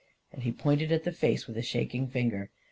And he pointed at the face with a shaking finger.